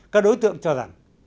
các đối tượng cho rằng